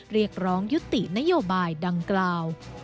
เรียกร้องยุตินโยบายดังกล่าว